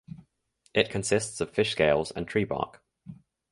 It consists of fish scales and tree bark.